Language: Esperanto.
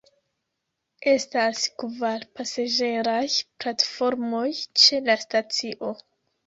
Estas kvar pasaĝeraj platformoj ĉe la stacio.